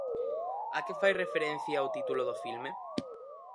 A que fai referencia o título do filme?